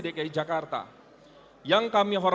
baik sekali lagi kami mohon